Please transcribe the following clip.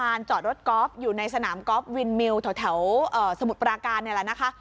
จอดรถกอล์ฟอยู่ในสนามกอล์ฟวินมิวแถวสมุทรปราการเนี่ยแหละนะคะ